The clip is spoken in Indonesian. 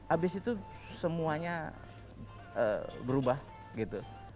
abis itu semuanya berubah gitu